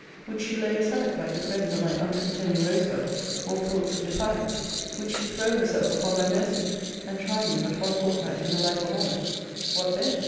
Would she lay aside, like the friends of my uncontending Rosebud, all thoughts of defiance Would she throw herself upon my mercy, and try me but one fortnight in the life of honour What then?